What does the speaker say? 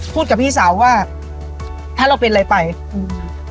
กับพี่สาวว่าถ้าเราเป็นอะไรไปอืม